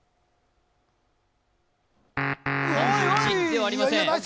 ３１。３１ではありません。